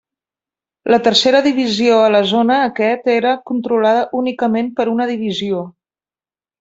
La tercera divisió a la zona aquest era controlada únicament per una divisió.